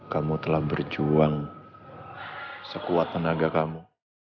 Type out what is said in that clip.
kamu telah berjuang sekuat tenaga kamu